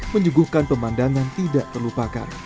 menyuguhkan pemandangan tidak terlupakan